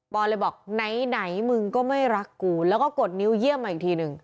อยเลยบอกไหนมึงก็ไม่รักกูแล้วก็กดนิ้วเยี่ยมมาอีกทีหนึ่ง